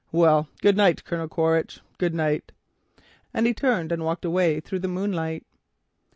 Well, good night, Colonel Quaritch, good night," and he turned and walked away through the moonlight.